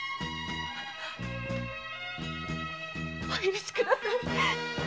お許しください。